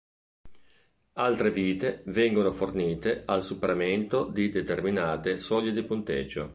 Altre "vite" vengono fornite al superamento di determinate soglie di punteggio.